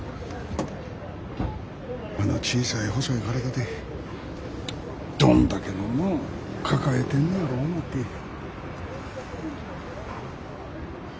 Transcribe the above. あの小さい細い体でどんだけのもん抱えてんねやろ思て。